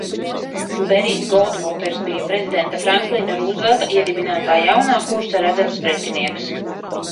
Berijs Goldvoters bija prezidenta Franklina Rūzvelta iedibinātā Jaunā kursa redzams pretinieks.